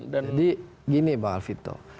jadi gini pak alvito